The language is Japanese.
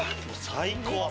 最高！